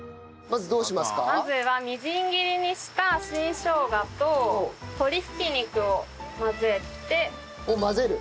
まずはみじん切りにした新生姜と鶏ひき肉を混ぜて。を混ぜる？